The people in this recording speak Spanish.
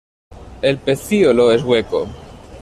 El pecíolo es hueco.